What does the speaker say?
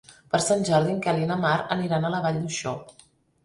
Per Sant Jordi en Quel i na Mar aniran a la Vall d'Uixó.